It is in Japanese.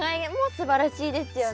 すばらしいよね。